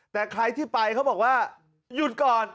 แต่ใครที่ไปเขาบอกว่าหยุดก่อน